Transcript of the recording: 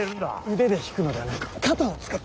腕で引くのではなく肩を使って。